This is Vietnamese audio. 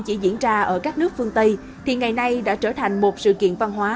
chỉ diễn ra ở các nước phương tây thì ngày nay đã trở thành một sự kiện văn hóa